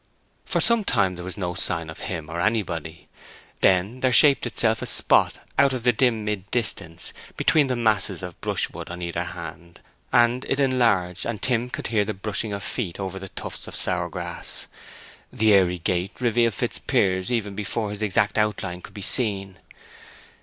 For some time there was no sign of him or of anybody. Then there shaped itself a spot out of the dim mid distance, between the masses of brushwood on either hand. And it enlarged, and Tim could hear the brushing of feet over the tufts of sour grass. The airy gait revealed Fitzpiers even before his exact outline could be seen.